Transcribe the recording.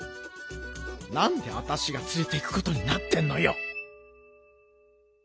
なんでわたしがつれていくことになってんのよ。